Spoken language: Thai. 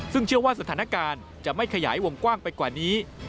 ซึ่งเชื่อว่าสถานการณ์จะไม่ขยายวงกว้างไปกว่านี้